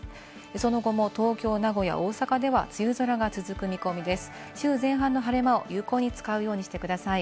その後も東京、名古屋、大阪では梅雨空が続く見込みです。